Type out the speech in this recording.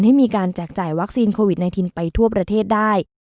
ให้มีการแจกจ่ายวัคซีนโควิด๑๙ไปทั่วประเทศได้